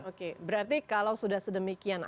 oke berarti kalau sudah sedemikian